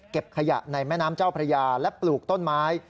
ขยะในแม่น้ำเจ้าพระยาและปลูกต้นไม้